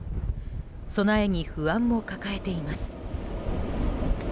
備えに不安も抱えています。